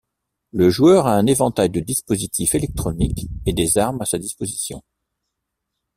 Le joueur a un éventail de dispositifs électroniques et des armes à sa disposition.